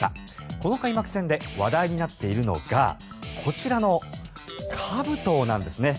この開幕戦で話題になっているのがこちらのかぶとなんですね。